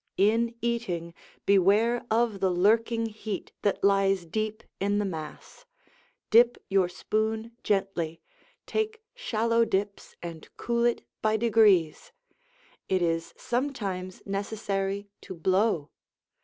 In eating, beware of the lurking heat that lies deep in the mass; dip your spoon gently, take shallow dips and cool it by degrees. It is sometimes necessary to blow.